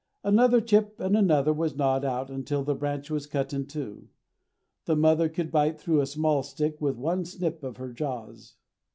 Another chip and another was gnawed out till the branch was cut in two. The mother could bite through a small stick with one snip of her jaws.